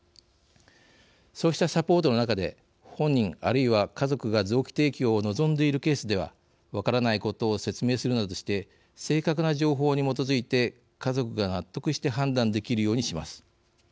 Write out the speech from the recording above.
そうしたサポートの中で本人あるいは家族が臓器提供を望んでいるケースでは分からないことを説明するなどして正確な情報に基づいて家族が納得して判断できるようにします。